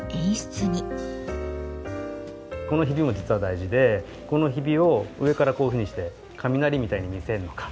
このひびも実は大事でこのひびを上からこういうふうにして雷みたいに見せるのか。